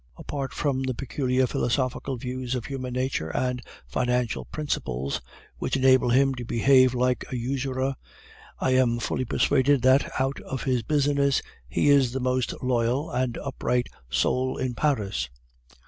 Apart from the peculiar philosophical views of human nature and financial principles, which enable him to behave like a usurer, I am fully persuaded that, out of his business, he is the most loyal and upright soul in Paris.